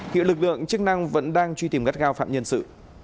hiện lực lượng chức năng vẫn đang truy tìm gắt gao phạm nhân sự